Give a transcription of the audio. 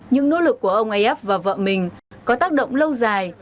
những nỗ lực của ông ayyub và vợ mình có tác động lâu dài